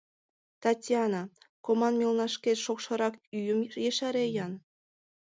Татьяна, команмелнашкет шокшырак ӱйым ешаре-ян...